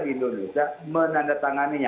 di indonesia menandatangani